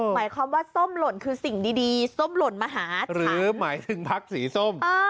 หมายความว่าส้มหล่นคือสิ่งดีส้มหล่นมหาดหรือหมายถึงพักสีส้ม